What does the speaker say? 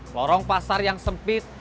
gorong pasar yang sempit